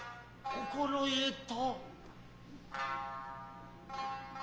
心得た。